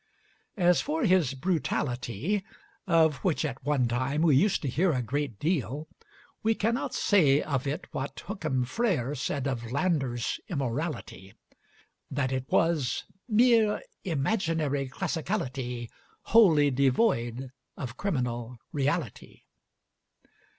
As for his brutality, of which at one time we used to hear a great deal, we cannot say of it what Hookham Frere said of Lander's immorality, that it was "Mere imaginary classicality Wholly devoid of criminal reality."